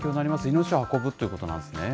命を運ぶということなんですね。